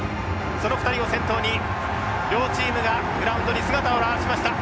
その２人を先頭に両チームがグラウンドに姿を現しました。